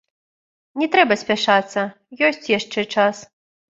Не трэба спяшацца, ёсць яшчэ час.